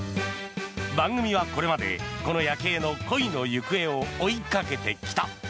番組はこれまでこのヤケイの恋の行方を追いかけてきた。